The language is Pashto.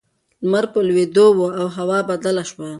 لمر په لوېدو و او هوا بدله شوه.